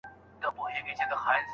بریالي کسان هره ورځ مطالعه کوي.